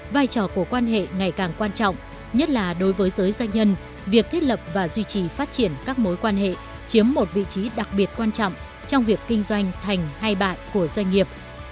vai trò của quan hệ ngày càng quan trọng nhất là đối với giới doanh nhân việc thiết lập và duy trì phát triển các mối quan hệ chiếm một vị trí đặc biệt quan trọng trong việc kinh doanh thành hai bại của doanh nghiệp